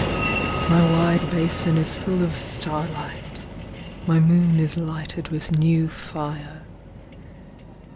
My wide basin is full of starlight, My moon is lighted with new fire.